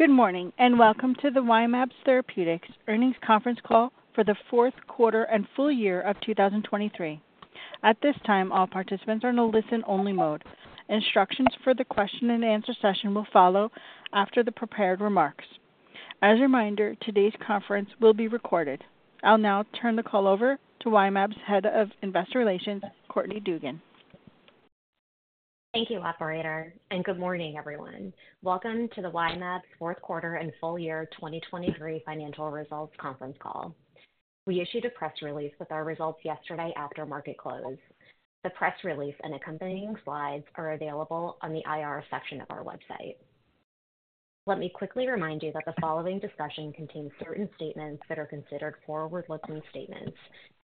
Good morning and welcome to the Y-mAbs Therapeutics Earnings Conference Call for the Fourth Quarter and Full Year of 2023. At this time, all participants are in a listen-only mode. Instructions for the question-and-answer session will follow after the prepared remarks. As a reminder, today's conference will be recorded. I'll now turn the call over to Y-mAbs' Head of Investor Relations, Courtney Dugan. Thank you, operator, and good morning, everyone. Welcome to the Y-mAbs fourth quarter and full year 2023 financial results conference call. We issued a press release with our results yesterday after market close. The press release and accompanying slides are available on the IR section of our website. Let me quickly remind you that the following discussion contains certain statements that are considered forward-looking statements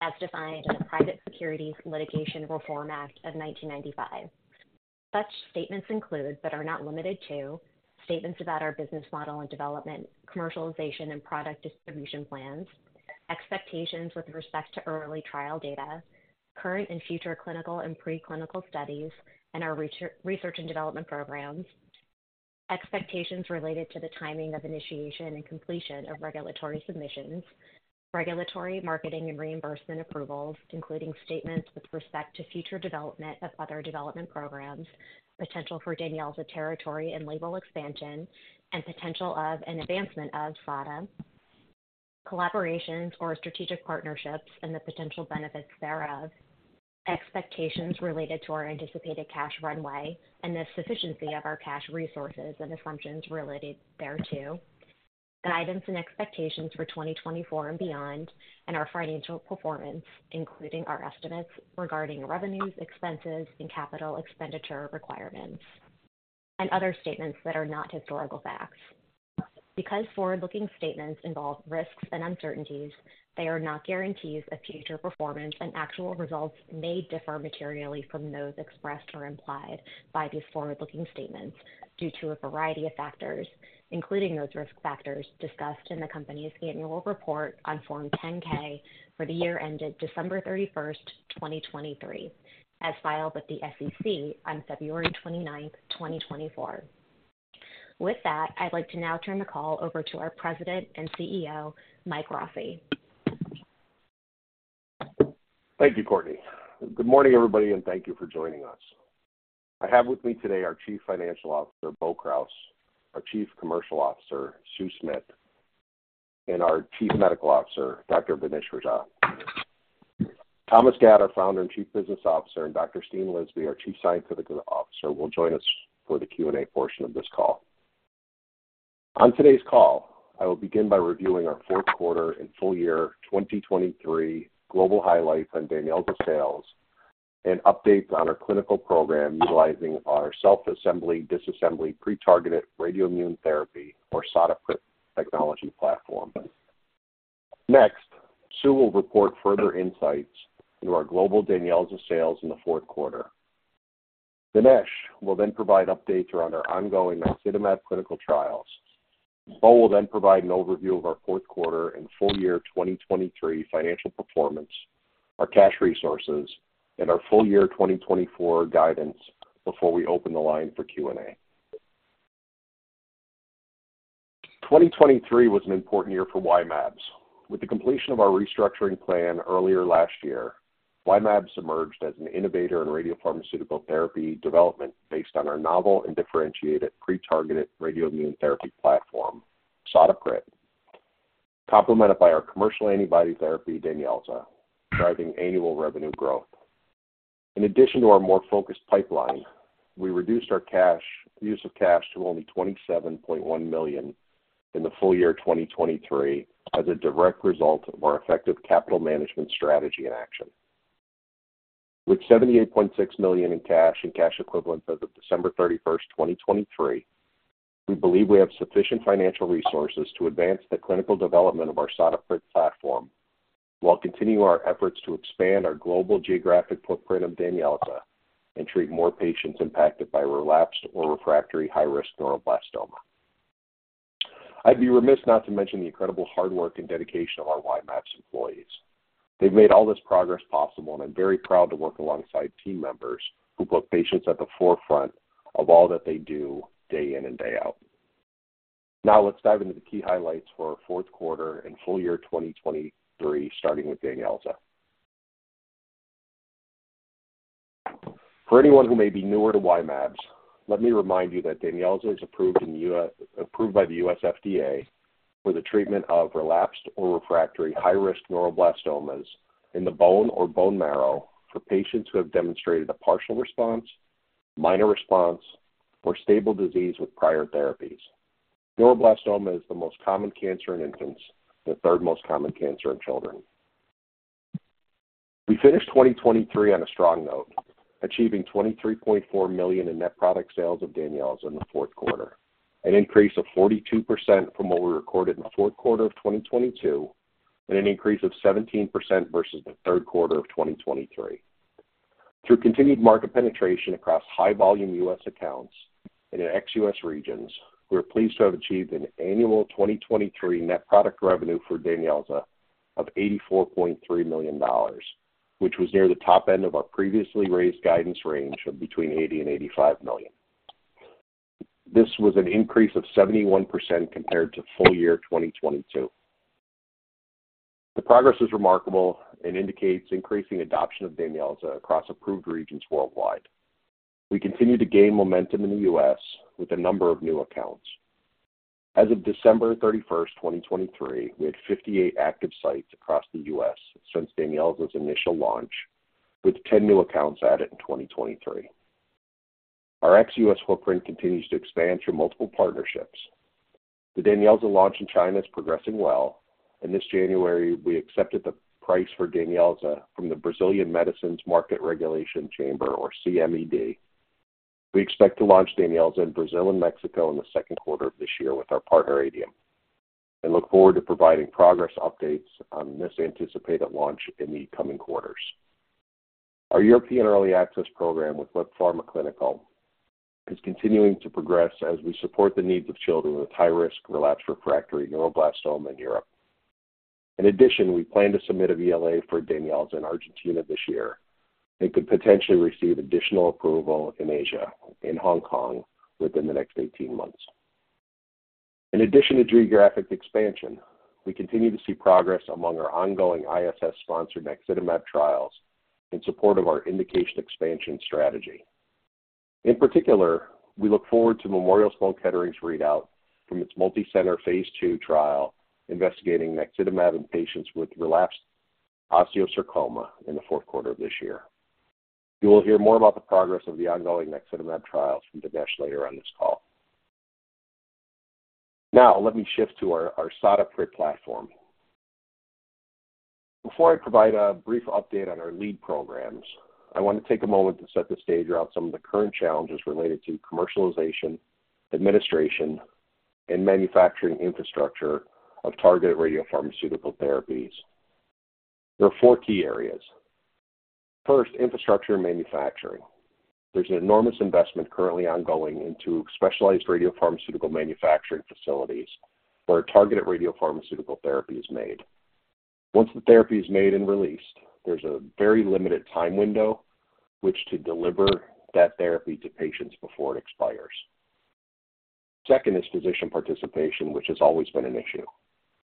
as defined in the Private Securities Litigation Reform Act of 1995. Such statements include but are not limited to statements about our business model and development, commercialization, and product distribution plans, expectations with respect to early trial data, current and future clinical and preclinical studies, and our research and development programs, expectations related to the timing of initiation and completion of regulatory submissions, regulatory, marketing, and reimbursement approvals, including statements with respect to future development of other development programs, potential for DANYELZA's territory and label expansion, and potential of and advancement of SADA, collaborations or strategic partnerships, and the potential benefits thereof, expectations related to our anticipated cash runway and the sufficiency of our cash resources and assumptions related thereto, guidance and expectations for 2024 and beyond, and our financial performance, including our estimates regarding revenues, expenses, and capital expenditure requirements, and other statements that are not historical facts. Because forward-looking statements involve risks and uncertainties, they are not guarantees of future performance, and actual results may differ materially from those expressed or implied by these forward-looking statements due to a variety of factors, including those risk factors discussed in the company's annual report on Form 10-K for the year ended December 31st, 2023, as filed with the SEC on February 29th, 2024. With that, I'd like to now turn the call over to our President and CEO, Mike Rossi. Thank you, Courtney. Good morning, everybody, and thank you for joining us. I have with me today our Chief Financial Officer, Bo Kruse; our Chief Commercial Officer, Sue Smith; and our Chief Medical Officer, Dr. Vignesh Rajah. Thomas Gad, our founder and Chief Business Officer; and Dr. Steen Lisby, our Chief Scientific Officer, will join us for the Q&A portion of this call. On today's call, I will begin by reviewing our fourth quarter and full year 2023 global highlights on DANYELZA's sales and updates on our clinical program utilizing our self-assembly, disassembly, pre-targeted radioimmune therapy, or SADA PRIT technology platform. Next, Sue will report further insights into our global DANYELZA's sales in the fourth quarter. Vignesh will then provide updates around our ongoing naxitamab clinical trials. Bo will then provide an overview of our fourth quarter and full year 2023 financial performance, our cash resources, and our full year 2024 guidance before we open the line for Q&A. 2023 was an important year for Y-mAbs. With the completion of our restructuring plan earlier last year, Y-mAbs emerged as an innovator in radiopharmaceutical therapy development based on our novel and differentiated pre-targeted radioimmune therapy platform, SADA PRIT, complemented by our commercial antibody therapy, DANYELZA, driving annual revenue growth. In addition to our more focused pipeline, we reduced our cash use of cash to only $27.1 million in the full year 2023 as a direct result of our effective capital management strategy in action. With $78.6 million in cash and cash equivalents as of December 31st, 2023, we believe we have sufficient financial resources to advance the clinical development of our SADA PRIT platform while continuing our efforts to expand our global geographic footprint of DANYELZA and treat more patients impacted by relapsed or refractory high-risk neuroblastoma. I'd be remiss not to mention the incredible hard work and dedication of our Y-mAbs employees. They've made all this progress possible, and I'm very proud to work alongside team members who put patients at the forefront of all that they do day in and day out. Now, let's dive into the key highlights for our fourth quarter and full year 2023, starting with DANYELZA. For anyone who may be newer to Y-mAbs, let me remind you that DANYELZA is approved by the U.S. FDA for the treatment of relapsed or refractory high-risk neuroblastomas in the bone or bone marrow for patients who have demonstrated a partial response, minor response, or stable disease with prior therapies. Neuroblastoma is the most common cancer in infants and the third most common cancer in children. We finished 2023 on a strong note, achieving $23.4 million in net product sales of DANYELZA in the fourth quarter, an increase of 42% from what we recorded in the fourth quarter of 2022, and an increase of 17% versus the third quarter of 2023. Through continued market penetration across high-volume U.S. accounts and in ex-U.S. regions, we are pleased to have achieved an annual 2023 net product revenue for DANYELZA of $84.3 million, which was near the top end of our previously raised guidance range of between $80 million-$85 million. This was an increase of 71% compared to full year 2022. The progress is remarkable and indicates increasing adoption of DANYELZA across approved regions worldwide. We continue to gain momentum in the U.S. with a number of new accounts. As of December 31st, 2023, we had 58 active sites across the U.S. since DANYELZA initial launch, with 10 new accounts added in 2023. Our ex-U.S. footprint continues to expand through multiple partnerships. The DANYELZA launch in China is progressing well, and this January, we accepted the price for DANYELZA from the Brazilian Medicines Market Regulation Chamber, or CMED. We expect to launch DANYELZA in Brazil and Mexico in the second quarter of this year with our partner, Adium, and look forward to providing progress updates on this anticipated launch in the coming quarters. Our European Early Access program with WEP Pharma Clinical is continuing to progress as we support the needs of children with high-risk relapsed refractory neuroblastoma in Europe. In addition, we plan to submit a BLA for DANYELZA in Argentina this year and could potentially receive additional approval in Asia and Hong Kong within the next 18 months. In addition to geographic expansion, we continue to see progress among our ongoing ISS-sponsored naxitamab trials in support of our indication expansion strategy. In particular, we look forward to Memorial Sloan Kettering's readout from its multi-center phase II trial investigating naxitamab in patients with relapsed osteosarcoma in the fourth quarter of this year. You will hear more about the progress of the ongoing naxitamab trials from Vignesh later on this call. Now, let me shift to our SADA PRIT platform. Before I provide a brief update on our lead programs, I want to take a moment to set the stage around some of the current challenges related to commercialization, administration, and manufacturing infrastructure of targeted radiopharmaceutical therapies. There are four key areas. First, infrastructure and manufacturing. There's an enormous investment currently ongoing into specialized radiopharmaceutical manufacturing facilities where targeted radiopharmaceutical therapy is made. Once the therapy is made and released, there's a very limited time window to deliver that therapy to patients before it expires. Second is physician participation, which has always been an issue.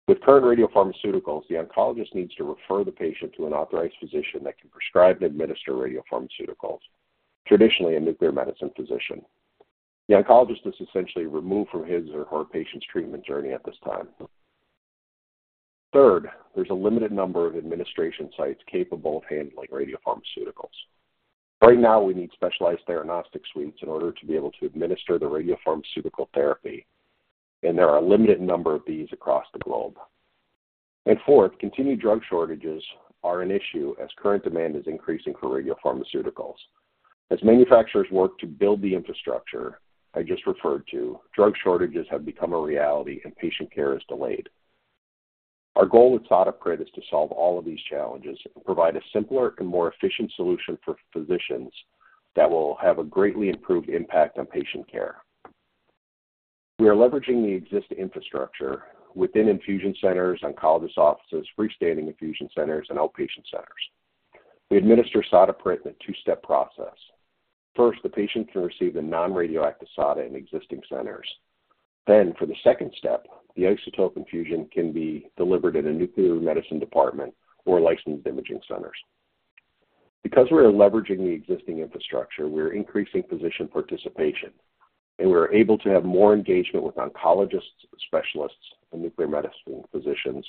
With current radiopharmaceuticals, the oncologist needs to refer the patient to an authorized physician that can prescribe and administer radiopharmaceuticals, traditionally a nuclear medicine physician. The oncologist is essentially removed from his or her patient's treatment journey at this time. Third, there's a limited number of administration sites capable of handling radiopharmaceuticals. Right now, we need specialized diagnostic suites in order to be able to administer the radiopharmaceutical therapy, and there are a limited number of these across the globe. Fourth, continued drug shortages are an issue as current demand is increasing for radiopharmaceuticals. As manufacturers work to build the infrastructure I just referred to, drug shortages have become a reality, and patient care is delayed. Our goal with SADA PRIT is to solve all of these challenges and provide a simpler and more efficient solution for physicians that will have a greatly improved impact on patient care. We are leveraging the existing infrastructure within infusion centers, oncologist offices, freestanding infusion centers, and outpatient centers. We administer SADA PRIT in a two-step process. First, the patient can receive the non-radioactive SADA in existing centers. Then, for the second step, the isotope infusion can be delivered in a nuclear medicine department or licensed imaging centers. Because we are leveraging the existing infrastructure, we are increasing physician participation, and we are able to have more engagement with oncologists, specialists, and nuclear medicine physicians,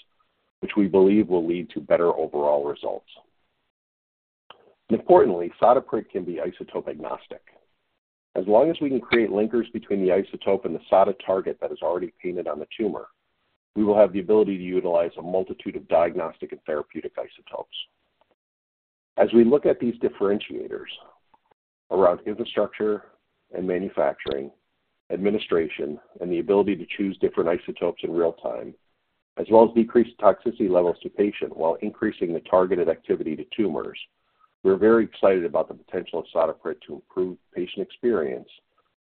which we believe will lead to better overall results. Importantly, SADA PRIT can be isotope agnostic. As long as we can create linkers between the isotope and the SADA target that is already painted on the tumor, we will have the ability to utilize a multitude of diagnostic and therapeutic isotopes. As we look at these differentiators around infrastructure and manufacturing, administration, and the ability to choose different isotopes in real time, as well as decrease toxicity levels to patient while increasing the targeted activity to tumors, we are very excited about the potential of SADA PRIT to improve patient experience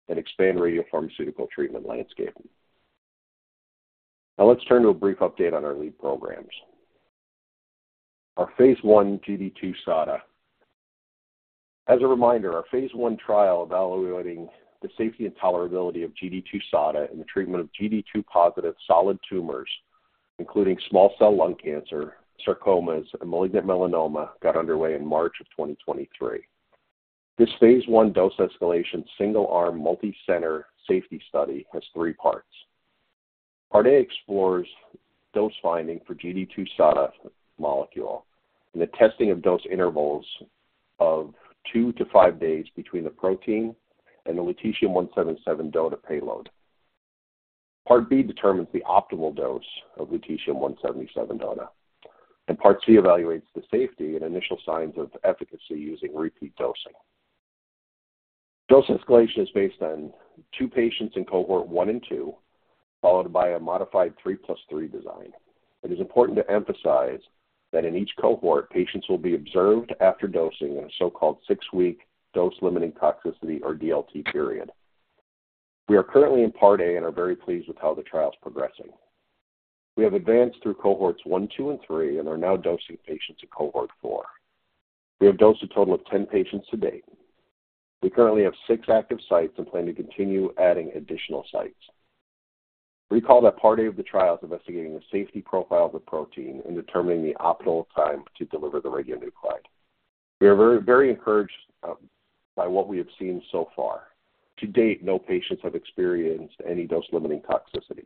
and expand radiopharmaceutical treatment landscape. Now, let's turn to a brief update on our lead programs. Our phase I GD2-SADA. As a reminder, our phase I trial evaluating the safety and tolerability of GD2-SADA in the treatment of GD2-positive solid tumors, including small cell lung cancer, sarcomas, and malignant melanoma, got underway in March of 2023. This phase I dose escalation single-arm multi-center safety study has three parts. Part A explores dose finding for GD2-SADA molecule and the testing of dose intervals of two to five days between the protein and the lutetium-177 DOTA payload. Part B determines the optimal dose of lutetium-177 DOTA, and Part C evaluates the safety and initial signs of efficacy using repeat dosing. Dose escalation is based on two patients in cohort one and two, followed by a modified 3+3 design. It is important to emphasize that in each cohort, patients will be observed after dosing in a so-called six-week dose-limiting toxicity, or DLT, period. We are currently in Part A and are very pleased with how the trial is progressing. We have advanced through cohorts one, two, and three, and are now dosing patients in cohort four. We have dosed a total of 10 patients to date. We currently have six active sites and plan to continue adding additional sites. Recall that Part A of the trial is investigating the safety profile of the protein and determining the optimal time to deliver the radionuclide. We are very encouraged by what we have seen so far. To date, no patients have experienced any dose-limiting toxicities.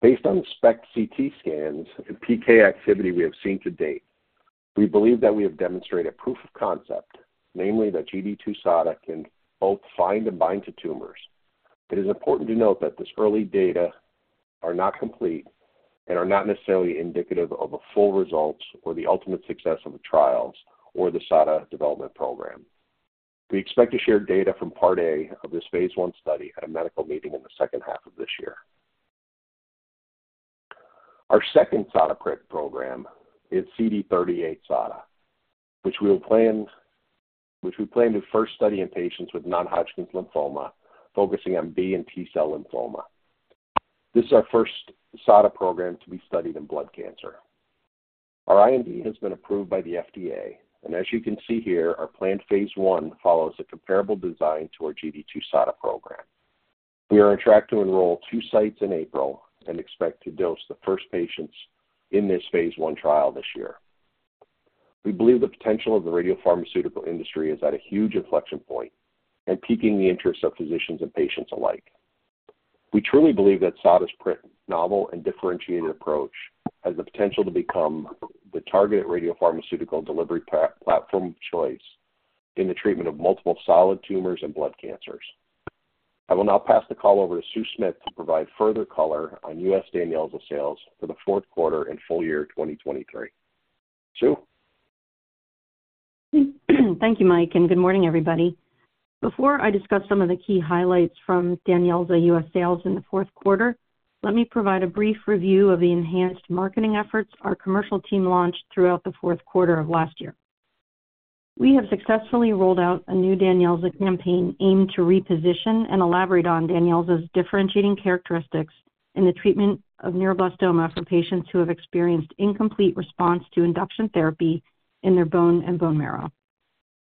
Based on SPECT CT scans and PK activity we have seen to date, we believe that we have demonstrated proof of concept, namely that GD2-SADA can both find and bind to tumors. It is important to note that this early data is not complete and is not necessarily indicative of a full result or the ultimate success of the trials or the SADA development program. We expect to share data from Part A of this phase I study at a medical meeting in the second half of this year. Our second SADA PRIT program is CD38-SADA, which we plan to first study in patients with non-Hodgkin's lymphoma, focusing on B and T-cell lymphoma. This is our first SADA program to be studied in blood cancer. Our IND has been approved by the FDA, and as you can see here, our planned phase I follows a comparable design to our GD2 SADA program. We are on track to enroll 2 sites in April and expect to dose the first patients in this phase I trial this year. We believe the potential of the radiopharmaceutical industry is at a huge inflection point and piquing the interest of physicians and patients alike. We truly believe that SADA's novel and differentiated approach has the potential to become the targeted radiopharmaceutical delivery platform of choice in the treatment of multiple solid tumors and blood cancers. I will now pass the call over to Sue Smith to provide further color on U.S. DANYELZA's sales for the fourth quarter and full year 2023. Sue. Thank you, Mike, and good morning, everybody. Before I discuss some of the key highlights from DANYELZA's U.S. sales in the fourth quarter, let me provide a brief review of the enhanced marketing efforts our commercial team launched throughout the fourth quarter of last year. We have successfully rolled out a new DANYELZA's campaign aimed to reposition and elaborate on DANYELZA's differentiating characteristics in the treatment of neuroblastoma for patients who have experienced incomplete response to induction therapy in their bone and bone marrow.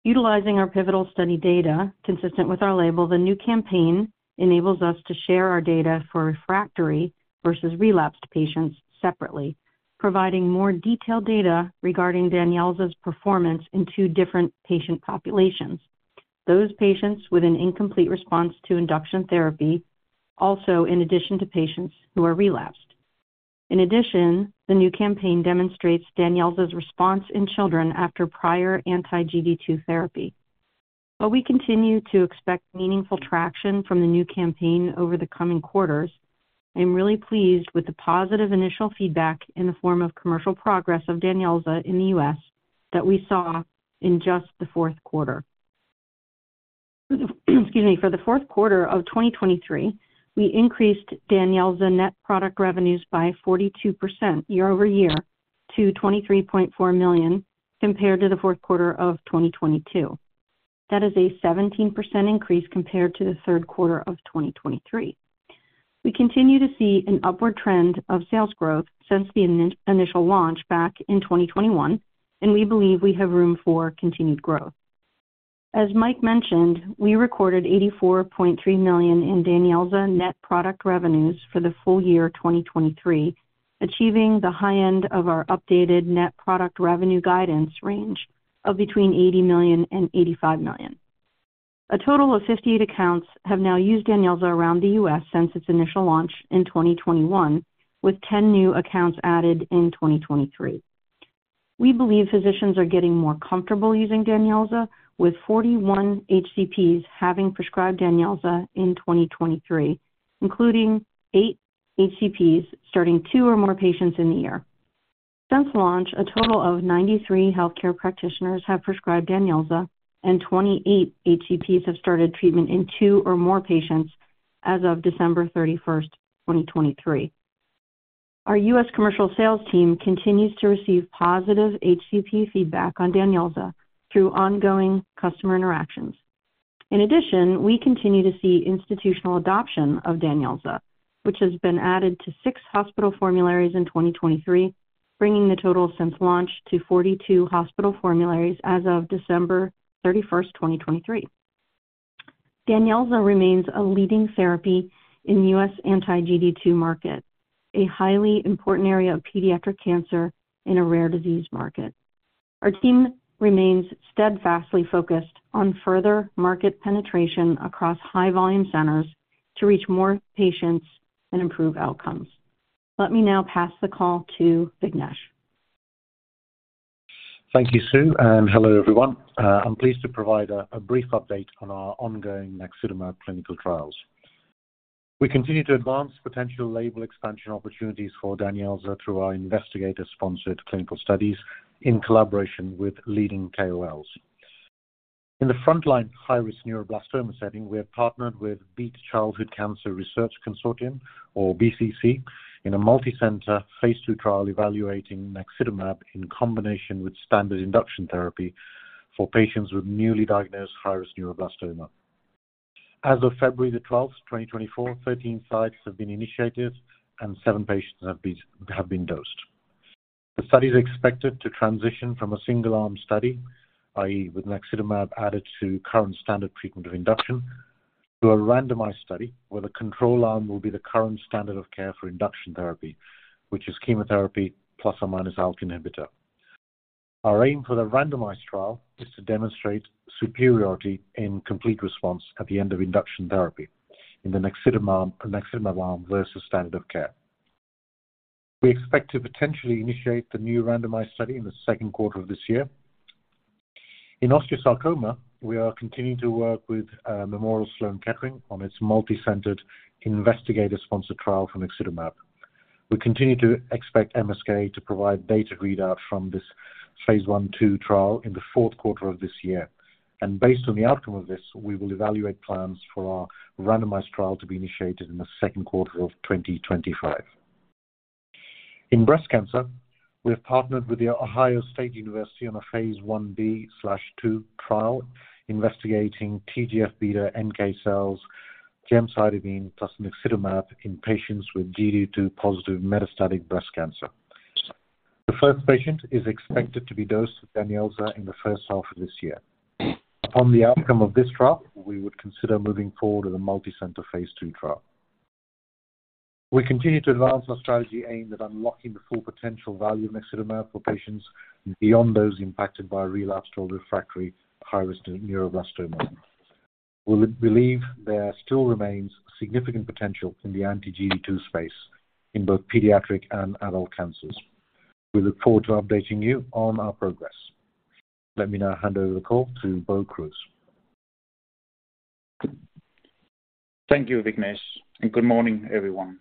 Utilizing our pivotal study data consistent with our label, the new campaign enables us to share our data for refractory versus relapsed patients separately, providing more detailed data regarding DANYELZA's performance in two different patient populations, those patients with an incomplete response to induction therapy, also in addition to patients who are relapsed. In addition, the new campaign demonstrates DANYELZA's response in children after prior anti-GD2 therapy. But we continue to expect meaningful traction from the new campaign over the coming quarters. I am really pleased with the positive initial feedback in the form of commercial progress of DANYELZA in the U.S. that we saw in just the fourth quarter. Excuse me. For the fourth quarter of 2023, we increased DANYELZA's net product revenues by 42% year-over-year to $23.4 million compared to the fourth quarter of 2022. That is a 17% increase compared to the third quarter of 2023. We continue to see an upward trend of sales growth since the initial launch back in 2021, and we believe we have room for continued growth. As Mike mentioned, we recorded $84.3 million in DANYELZA net product revenues for the full year 2023, achieving the high end of our updated net product revenue guidance range of between $80 million and $85 million. A total of 58 accounts have now used DANYELZA around the U.S. since its initial launch in 2021, with 10 new accounts added in 2023. We believe physicians are getting more comfortable using DANYELZA, with 41 HCPs having prescribed DANYELZA in 2023, including eight HCPs starting two or more patients in the year. Since launch, a total of 93 healthcare practitioners have prescribed DANYELZA, and 28 HCPs have started treatment in two or more patients as of December 31st, 2023. Our U.S. commercial sales team continues to receive positive HCP feedback on DANYELZA through ongoing customer interactions. In addition, we continue to see institutional adoption of DANYELZA, which has been added to six hospital formularies in 2023, bringing the total since launch to 42 hospital formularies as of December 31st, 2023. DANYELZA remains a leading therapy in the U.S. anti-GD2 market, a highly important area of pediatric cancer in a rare disease market. Our team remains steadfastly focused on further market penetration across high-volume centers to reach more patients and improve outcomes. Let me now pass the call to Vignesh. Thank you, Sue, and hello, everyone. I'm pleased to provide a brief update on our ongoing naxitamab clinical trials. We continue to advance potential label expansion opportunities for DANYELZA's through our investigator-sponsored clinical studies in collaboration with leading KOLs. In the frontline high-risk neuroblastoma setting, we have partnered with Beat Childhood Cancer Research Consortium, or BCC, in a multi-center phase II trial evaluating naxitamab in combination with standard induction therapy for patients with newly diagnosed high-risk neuroblastoma. As of February 12th, 2024, 13 sites have been initiated, and seven patients have been dosed. The study is expected to transition from a single-arm study, i.e., with naxitamab added to current standard treatment of induction, to a randomized study where the control arm will be the current standard of care for induction therapy, which is chemotherapy plus or minus ALK inhibitor. Our aim for the randomized trial is to demonstrate superiority in complete response at the end of induction therapy in the naxitamab arm versus standard of care. We expect to potentially initiate the new randomized study in the second quarter of this year. In osteosarcoma, we are continuing to work with Memorial Sloan Kettering on its multi-centered investigator-sponsored trial for naxitamab. We continue to expect MSK to provide data readout from this phase I/II trial in the fourth quarter of this year. Based on the outcome of this, we will evaluate plans for our randomized trial to be initiated in the second quarter of 2025. In breast cancer, we have partnered with the Ohio State University on a phase I-B/II trial investigating TGF-beta NK cells, gemcitabine, plus naxitamab in patients with GD2-positive metastatic breast cancer. The first patient is expected to be dosed with DANYELZA in the first half of this year. Upon the outcome of this trial, we would consider moving forward with a multi-center phase II trial. We continue to advance our strategy aimed at unlocking the full potential value of naxitamab for patients beyond those impacted by relapsed or refractory high-risk neuroblastoma. We believe there still remains significant potential in the anti-GD2 space in both pediatric and adult cancers. We look forward to updating you on our progress. Let me now hand over the call to Bo Kruse. Thank you, Vignesh, and good morning, everyone.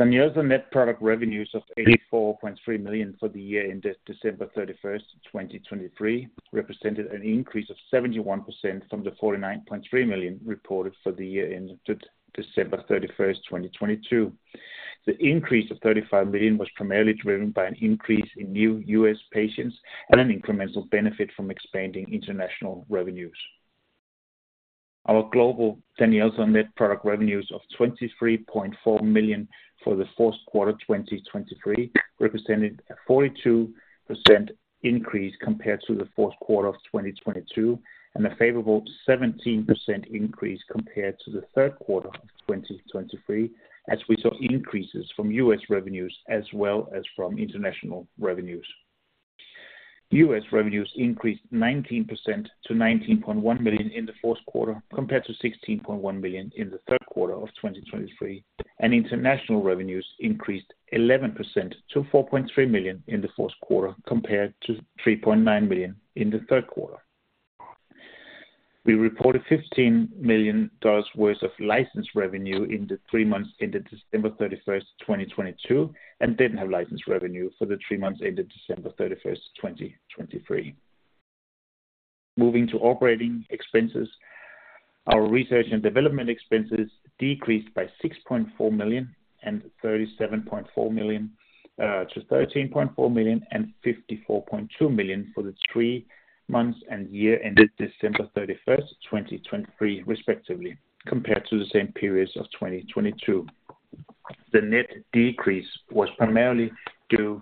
DANYELZA's net product revenues of $84.3 million for the year ended December 31st, 2023, represented an increase of 71% from the $49.3 million reported for the year ended December 31st, 2022. The increase of $35 million was primarily driven by an increase in new U.S. patients and an incremental benefit from expanding international revenues. Our global DANYELZA's net product revenues of $23.4 million for the fourth quarter 2023 represented a 42% increase compared to the fourth quarter of 2022 and a favorable 17% increase compared to the third quarter of 2023, as we saw increases from U.S. revenues as well as from international revenues. U.S. revenues increased 19% to $19.1 million in the fourth quarter compared to $16.1 million in the third quarter of 2023, and international revenues increased 11% to $4.3 million in the fourth quarter compared to $3.9 million in the third quarter. We reported $15 million worth of license revenue in the three months ended December 31st, 2022, and didn't have license revenue for the three months ended December 31st, 2023. Moving to operating expenses, our research and development expenses decreased by $6.4 million and $37.4 million to $13.4 million and $54.2 million for the three months and year ended December 31st, 2023, respectively, compared to the same periods of 2022. The net decrease was primarily due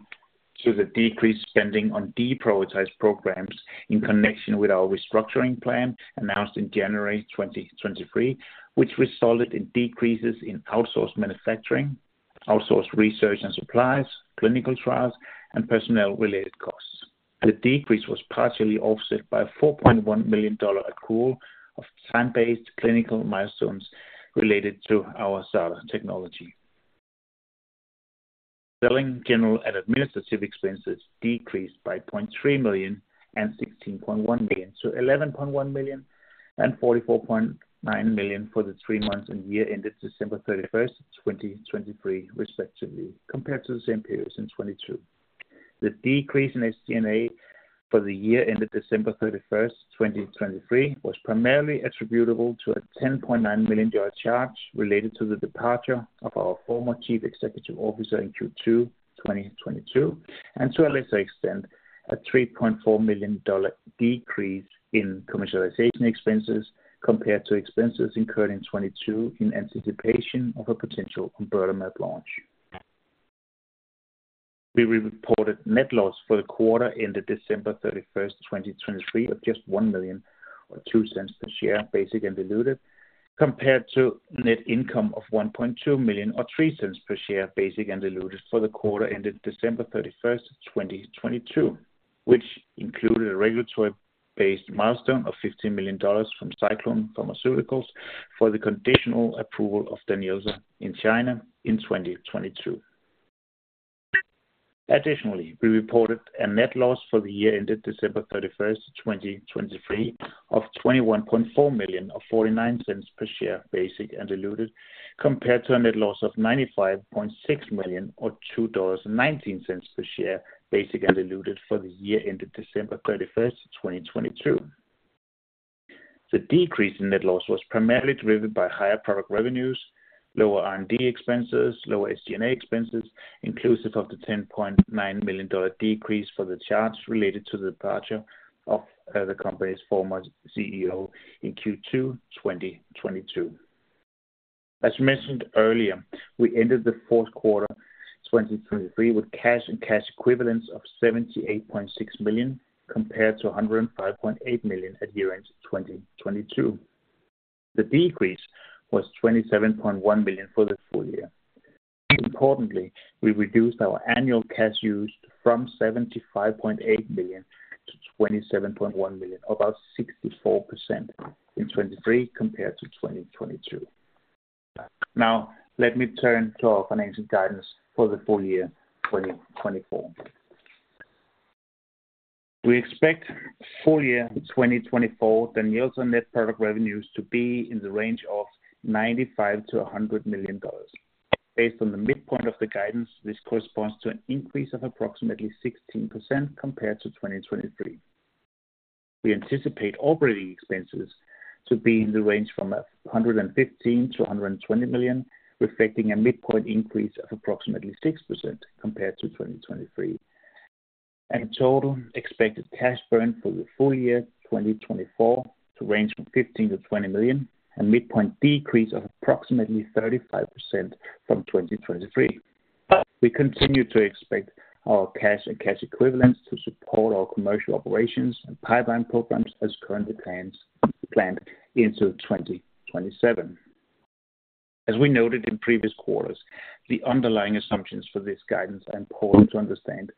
to the decreased spending on deprioritized programs in connection with our restructuring plan announced in January 2023, which resulted in decreases in outsourced manufacturing, outsourced research and supplies, clinical trials, and personnel-related costs. The decrease was partially offset by a $4.1 million accrual of time-based clinical milestones related to our SADA technology. Selling, general, and administrative expenses decreased by $0.3 million and $16.1 million to $11.1 million and $44.9 million for the three months and year ended December 31st, 2023, respectively, compared to the same periods in 2022. The decrease in SG&A for the year ended December 31st, 2023, was primarily attributable to a $10.9 million charge related to the departure of our former Chief Executive Officer in Q2 2022 and, to a lesser extent, a $3.4 million decrease in commercialization expenses compared to expenses incurred in 2022 in anticipation of a potential omburtamab launch. We reported net loss for the quarter ended December 31st, 2023, of just $1 million or 2 cents per share basic and diluted, compared to net income of $1.2 million or 3 cents per share basic and diluted for the quarter ended December 31st, 2022, which included a regulatory-based milestone of $15 million from SciClone Pharmaceuticals for the conditional approval of DANYELZA in China in 2022. Additionally, we reported a net loss for the year ended December 31st, 2023, of $21.4 million or 49 cents per share basic and diluted, compared to a net loss of $95.6 million or $2.19 per share basic and diluted for the year ended December 31st, 2022. The decrease in net loss was primarily driven by higher product revenues, lower R&D expenses, lower SG&A expenses, inclusive of the $10.9 million decrease for the charge related to the departure of the company's former CEO in Q2 2022. As mentioned earlier, we ended the fourth quarter 2023 with cash and cash equivalents of $78.6 million compared to $105.8 million at year-end 2022. The decrease was $27.1 million for the full year. Importantly, we reduced our annual cash used from $75.8 million-$27.1 million, about 64% in 2023 compared to 2022. Now, let me turn to our financial guidance for the full year 2024. We expect full year 2024 DANYELZA's net product revenues to be in the range of $95 million-$100 million. Based on the midpoint of the guidance, this corresponds to an increase of approximately 16% compared to 2023. We anticipate operating expenses to be in the range from $115 million-$120 million, reflecting a midpoint increase of approximately 6% compared to 2023. Total expected cash burn for the full year 2024 to range from $15 million-$20 million, a midpoint decrease of approximately 35% from 2023. We continue to expect our cash and cash equivalents to support our commercial operations and pipeline programs as currently planned into 2027. As we noted in previous quarters, the underlying assumptions for this guidance are important to understand.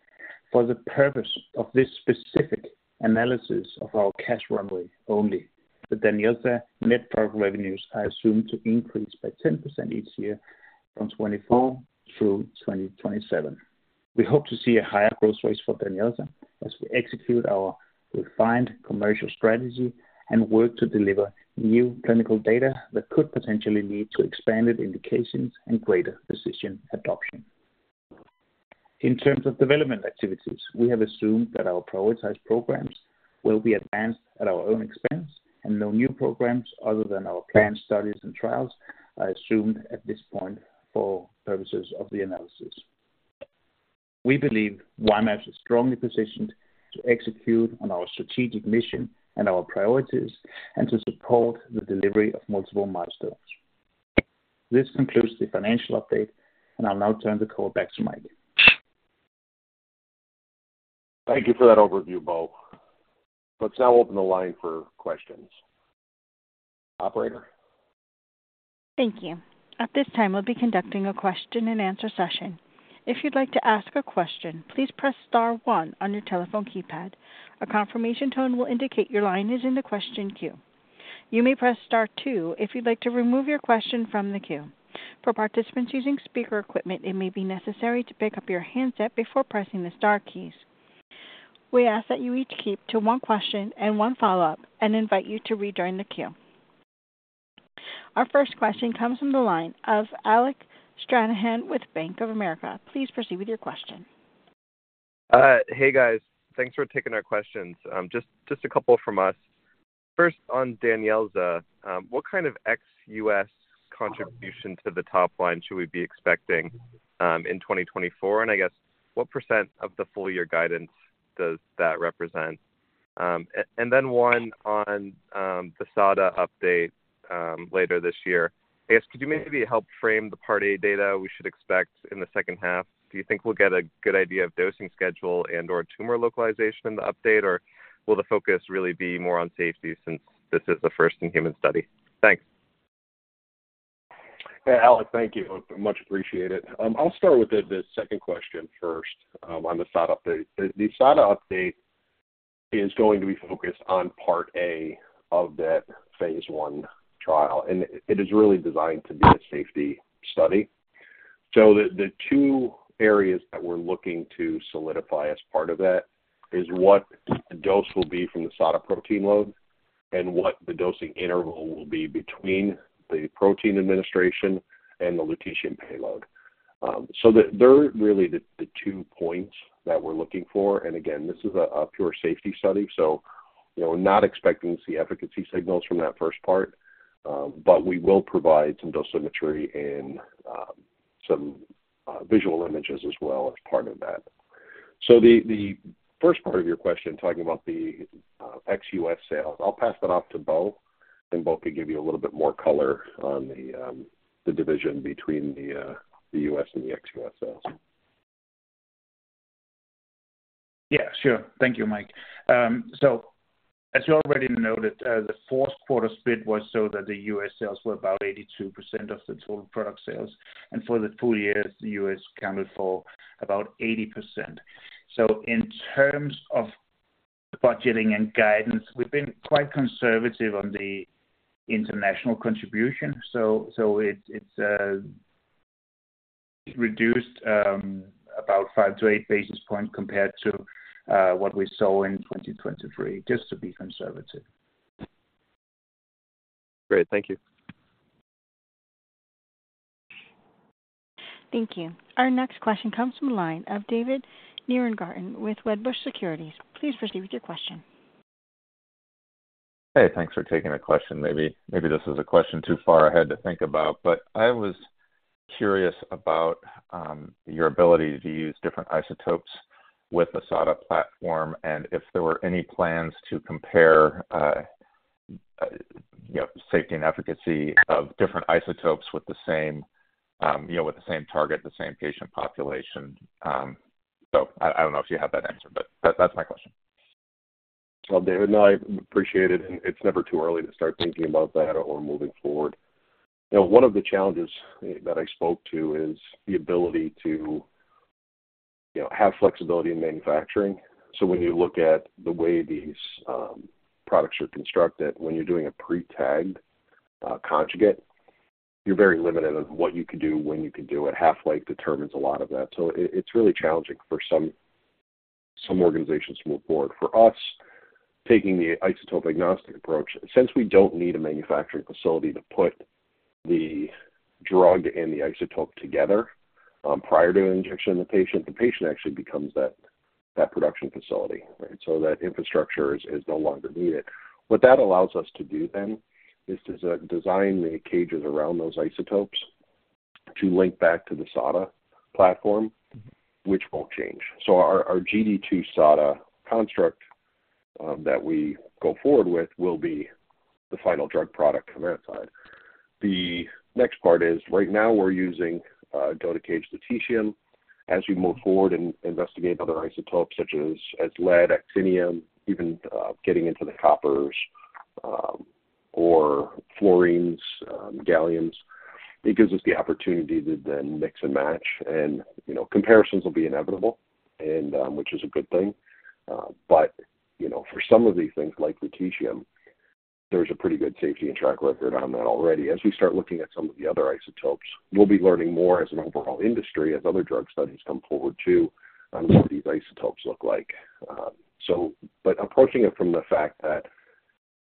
For the purpose of this specific analysis of our cash runway only, the DANYELZA's net product revenues are assumed to increase by 10% each year from 2024 through 2027. We hope to see a higher growth rate for DANYELZA as we execute our refined commercial strategy and work to deliver new clinical data that could potentially lead to expanded indications and greater physician adoption. In terms of development activities, we have assumed that our prioritized programs will be advanced at our own expense and no new programs other than our planned studies and trials are assumed at this point for purposes of the analysis. We believe Y-mAbs is strongly positioned to execute on our strategic mission and our priorities and to support the delivery of multiple milestones. This concludes the financial update, and I'll now turn the call back to Mike. Thank you for that overview, Bo. Let's now open the line for questions. Operator. Thank you. At this time, we'll be conducting a question-and-answer session. If you'd like to ask a question, please press star one on your telephone keypad. A confirmation tone will indicate your line is in the question queue. You may press star two if you'd like to remove your question from the queue. For participants using speaker equipment, it may be necessary to pick up your handset before pressing the star keys. We ask that you each keep to one question and one follow-up and invite you to rejoin the queue. Our first question comes from the line of Alec Stranahan with Bank of America. Please proceed with your question. Hey, guys. Thanks for taking our questions. Just a couple from us. First, on DANYELZA's, what kind of ex-U.S. contribution to the top line should we be expecting in 2024? And I guess, what % of the full year guidance does that represent? And then one on the SADA update later this year. I guess, could you maybe help frame the part A data we should expect in the second half? Do you think we'll get a good idea of dosing schedule and/or tumor localization in the update, or will the focus really be more on safety since this is the first in-human study? Thanks. Yeah, Alec, thank you. Much appreciated. I'll start with the second question first on the SADA update. The SADA update is going to be focused on part A of that phase I trial, and it is really designed to be a safety study. So the two areas that we're looking to solidify as part of that is what the dose will be from the SADA protein load and what the dosing interval will be between the protein administration and the lutetium payload. So they're really the two points that we're looking for. And again, this is a pure safety study, so we're not expecting to see efficacy signals from that first part, but we will provide some dosimetry and some visual images as well as part of that. The first part of your question talking about the ex-U.S. sales, I'll pass that off to Bo, and Bo could give you a little bit more color on the division between the U.S. and the ex-U.S. sales. Yeah, sure. Thank you, Mike. As you already noted, the fourth quarter split was so that the U.S. sales were about 82% of the total product sales, and for the full year, the U.S. accounted for about 80%. In terms of budgeting and guidance, we've been quite conservative on the international contribution, so it's reduced about 5-8 basis points compared to what we saw in 2023, just to be conservative. Great. Thank you. Thank you. Our next question comes from the line of David Nierengarten with Wedbush Securities. Please proceed with your question. Hey, thanks for taking the question. Maybe this is a question too far ahead to think about, but I was curious about your ability to use different isotopes with the SADA platform and if there were any plans to compare safety and efficacy of different isotopes with the same target, the same patient population. So I don't know if you have that answer, but that's my question. Well, David, no, I appreciate it, and it's never too early to start thinking about that or moving forward. One of the challenges that I spoke to is the ability to have flexibility in manufacturing. So when you look at the way these products are constructed, when you're doing a pre-tagged conjugate, you're very limited on what you could do, when you could do it. Half-life determines a lot of that. So it's really challenging for some organizations to move forward. For us, taking the isotope-agnostic approach, since we don't need a manufacturing facility to put the drug and the isotope together prior to injection in the patient, the patient actually becomes that production facility, right? So that infrastructure is no longer needed. What that allows us to do then is to design the cages around those isotopes to link back to the SADA platform, which won't change. So our GD2-SADA construct that we go forward with will be the final drug product from that side. The next part is, right now, we're using DOTA-caged lutetium. As we move forward and investigate other isotopes such as lead, actinium, even getting into the coppers or fluorines, galliums, it gives us the opportunity to then mix and match, and comparisons will be inevitable, which is a good thing. But for some of these things like lutetium, there's a pretty good safety and track record on that already. As we start looking at some of the other isotopes, we'll be learning more as an overall industry, as other drug studies come forward too, on what these isotopes look like. But approaching it from the fact that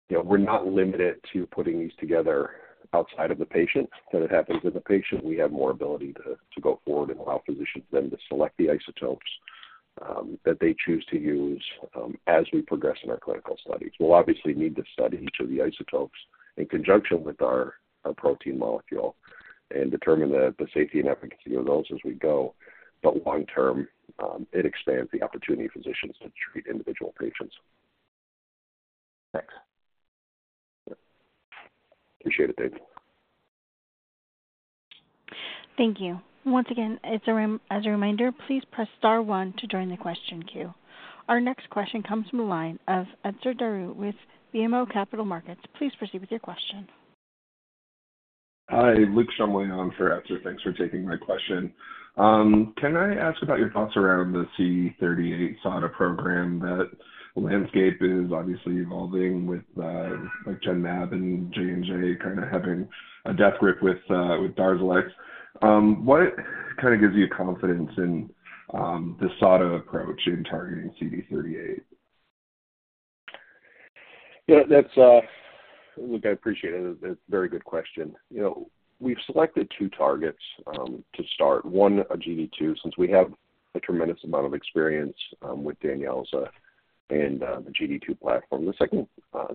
we're not limited to putting these together outside of the patient, that it happens in the patient, we have more ability to go forward and allow physicians then to select the isotopes that they choose to use as we progress in our clinical studies. We'll obviously need to study each of the isotopes in conjunction with our protein molecule and determine the safety and efficacy of those as we go. But long-term, it expands the opportunity for physicians to treat individual patients. Thanks. Appreciate it, David. Thank you. Once again, as a reminder, please press star one to join the question queue. Our next question comes from the line of Etzer Darout with BMO Capital Markets. Please proceed with your question. Hi, Luke Shumway on for Etzer. Thanks for taking my question. Can I ask about your thoughts around the CD38 SADA program? That landscape is obviously evolving with Genmab and J&J kind of having a death grip with Darzalex. What kind of gives you confidence in the SADA approach in targeting CD38? Yeah, look, I appreciate it. It's a very good question. We've selected two targets to start. One, a GD2, since we have a tremendous amount of experience with DANYELZA's and the GD2 platform. The second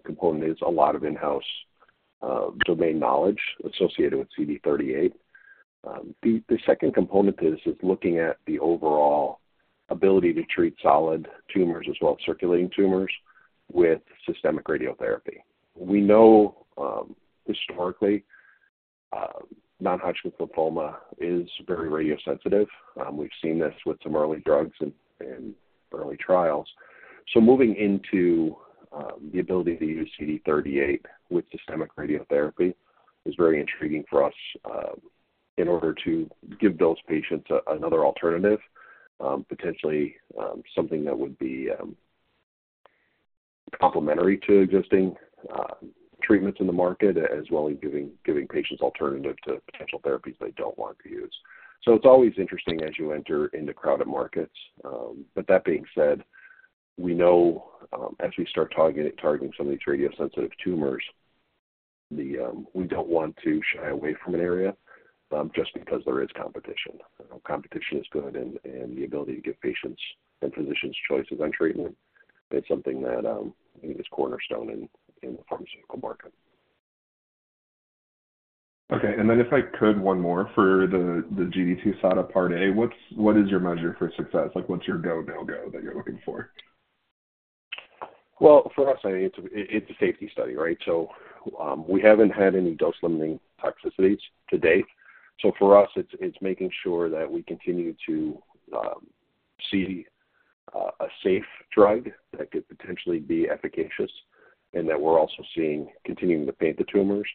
component is a lot of in-house domain knowledge associated with CD38. The second component to this is looking at the overall ability to treat solid tumors as well as circulating tumors with systemic radiotherapy. We know historically, non-Hodgkin's lymphoma is very radiosensitive. We've seen this with some early drugs and early trials. So moving into the ability to use CD38 with systemic radiotherapy is very intriguing for us in order to give those patients another alternative, potentially something that would be complementary to existing treatments in the market, as well as giving patients alternatives to potential therapies they don't want to use. So it's always interesting as you enter into crowded markets. That being said, we know as we start targeting some of these radiosensitive tumors, we don't want to shy away from an area just because there is competition. Competition is good, and the ability to give patients and physicians choices on treatment is something that is cornerstone in the pharmaceutical market. Okay. And then if I could, one more for the GD2-SADA Part A, what is your measure for success? What's your go-no-go that you're looking for? Well, for us, it's a safety study, right? So we haven't had any dose-limiting toxicities to date. So for us, it's making sure that we continue to see a safe drug that could potentially be efficacious and that we're also continuing to paint the tumors.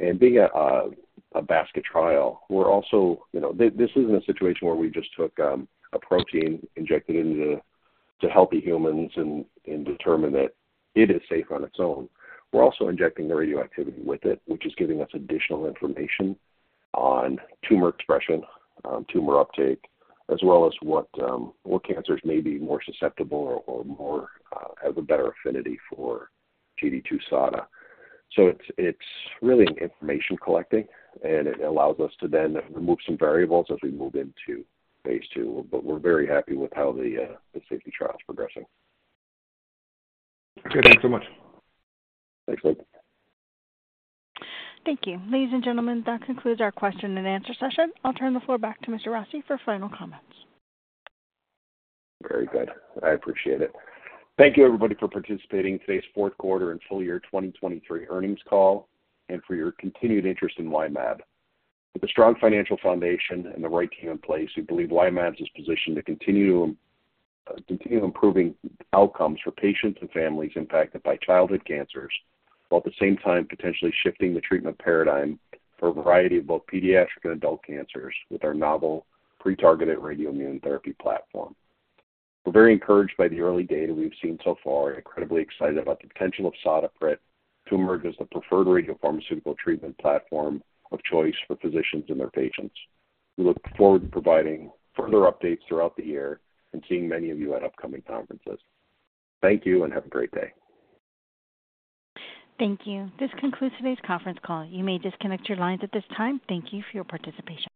And being a basket trial, we're also, this isn't a situation where we just took a protein, injected into healthy humans, and determined that it is safe on its own. We're also injecting the radioactivity with it, which is giving us additional information on tumor expression, tumor uptake, as well as what cancers may be more susceptible or have a better affinity for GD2-SADA. So it's really information collecting, and it allows us to then remove some variables as we move into phase II. But we're very happy with how the safety trial is progressing. Great. Thanks so much. Thanks, Mike. Thank you. Ladies and gentlemen, that concludes our question-and-answer session. I'll turn the floor back to Mr. Rossi for final comments. Very good. I appreciate it. Thank you, everybody, for participating in today's fourth quarter and full year 2023 earnings call and for your continued interest in Y-mAbs. With a strong financial foundation and the right team in place, we believe Y-mAbs is positioned to continue improving outcomes for patients and families impacted by childhood cancers while at the same time potentially shifting the treatment paradigm for a variety of both pediatric and adult cancers with our novel pre-targeted radioimmune therapy platform. We're very encouraged by the early data we've seen so far and incredibly excited about the potential of SADA PRIT as the preferred radiopharmaceutical treatment platform of choice for physicians and their patients. We look forward to providing further updates throughout the year and seeing many of you at upcoming conferences. Thank you and have a great day. Thank you. This concludes today's conference call. You may disconnect your lines at this time. Thank you for your participation.